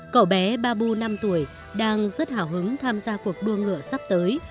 cậu bé babu năm tuổi đang rất hào hứng tham gia cuộc đua ngựa sắp tới